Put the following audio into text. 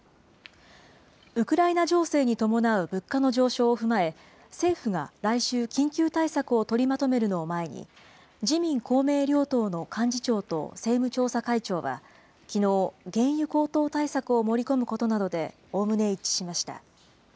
ウクライナ情勢に伴う物価の上昇を踏まえ、政府が来週、緊急対策を取りまとめるのを前に、自民、公明両党の幹事長と政務調査会長は、きのう、原油高騰対策を盛り込むことなどで、おおむね一致しました。